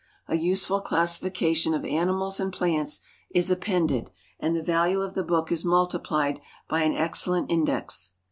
A useful classification of animals and plants is appended, and the value of the book is multiplied by an excellent index.